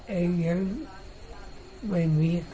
เอิงยันไม่มีข้อ